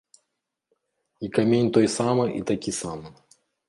І камень той самы і такі самы.